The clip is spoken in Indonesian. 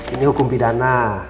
ini hukum pidana